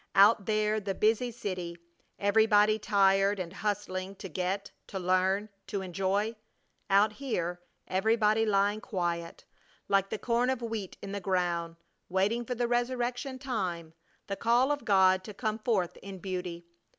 Out there the busy city, everybody tired and hustling to get, to learn, to enjoy; out here everybody lying quiet, like the corn of wheat in the ground, waiting for the resurrection time, the call of God to come forth in beauty!